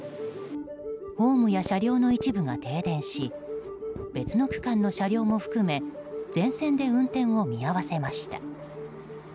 ホームや車両の一部が停電し別の区間の車両も含め全線で運転を見合わせました。